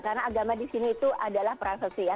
karena agama disini itu adalah privasi ya